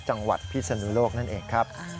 จังหวัดพิศนุโลกนั่นเองครับ